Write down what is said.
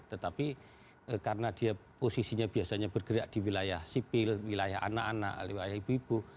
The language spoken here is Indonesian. tetapi karena dia posisinya biasanya bergerak di wilayah sipil wilayah anak anak wilayah ibu ibu